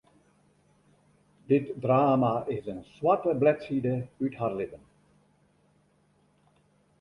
Dit drama is in swarte bledside út har libben.